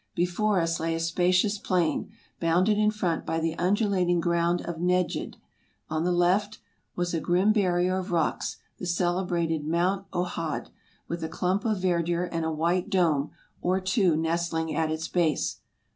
Before us lay a spacious plain, bounded in front by the undulating ground of Nedjed; on the left was a grim barrier of rocks, the celebrated Mount Ohod, with a clump of verdure and a white dome or two nestling at its base.